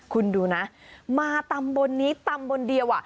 คุณดูนะมาตำบลนี้ตำบลเดียว